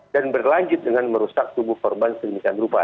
dan berlanjut dengan merusak tubuh korban sedemikian rupa